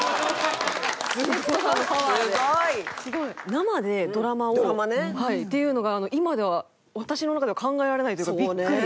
生でドラマをっていうのが今では私の中では考えられないというかビックリ。